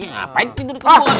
ngapain tidur ke pulang